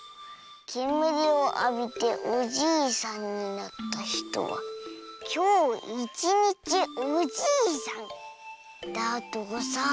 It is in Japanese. けむりをあびておじいさんになったひとはきょういちにちおじいさん」だとさ。